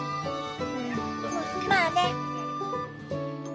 まあね。